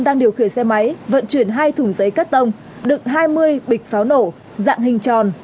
đang điều khiển xe máy vận chuyển hai thùng giấy cắt tông đựng hai mươi bịch pháo nổ dạng hình tròn